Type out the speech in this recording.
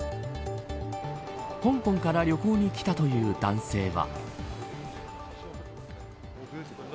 香港から旅行に来たという男性は。